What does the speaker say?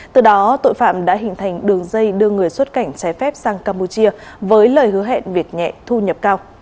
từ đó tội phạm đã hình thành đường dây đưa người xuất cảnh trái phép sang campuchia với lời hứa hẹn việc nhẹ thu nhập cao